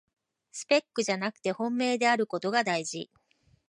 スペックじゃなくて本命であることがだいじ